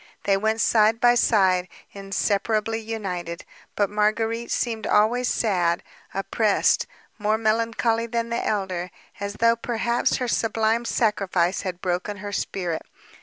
They went side by side, inseparably united. But Marguérite seemed always sad, oppressed, more melancholy than the elder, as though perhaps her sublime sacrifice had broken her spirit.